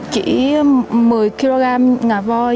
chỉ một mươi kg ngà voi